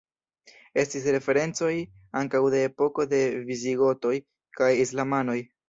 Estis referencoj ankaŭ de epoko de visigotoj kaj islamanoj.